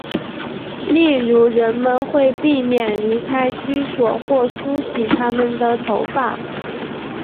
例如人们会避免离开居所或梳洗他们的头发。